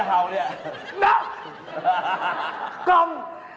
กล่อง